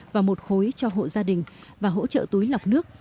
và một khối cho hộ gia đình và hỗ trợ túi lọc nước